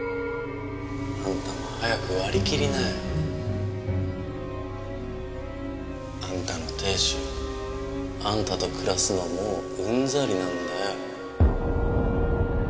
あんたも早く割り切りなよ。あんたの亭主あんたと暮らすのはもううんざりなんだよ。